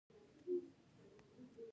آیا د زړه عملیات کیږي؟